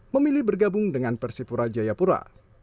memilih bergabung dengan persib pura jayapura